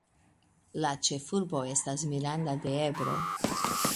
La ĉefurbo estas Miranda de Ebro.